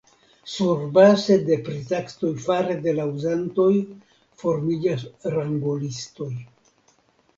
Surbaze de pritaksoj fare de la uzantoj formiĝas ranglolistoj.